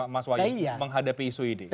mas wahyu menghadapi isu ini